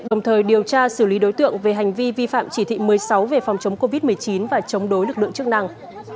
đồng thời điều tra xử lý đối tượng về hành vi vi phạm chỉ thị một mươi sáu về phòng chống covid một mươi chín và chống đối lực lượng chức năng